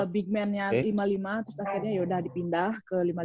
big mannya lima puluh lima terus akhirnya yaudah dipindah ke lima puluh lima